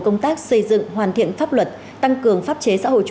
nhận thức sâu sắc